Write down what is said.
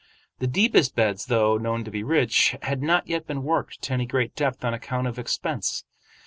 The deepest beds, though known to be rich, had not yet been worked to any great depth on account of expense.